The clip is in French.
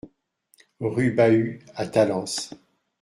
Rue Bahus à Talence